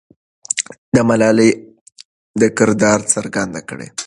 د ملالۍ کردار څرګند کړه.